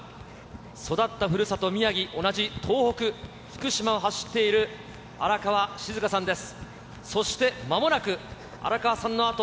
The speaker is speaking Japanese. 育ったふるさと、宮城、同じ東北、福島を走っている荒川静香さんです。